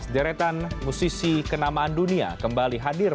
deretan musisi kenamaan dunia kembali hadir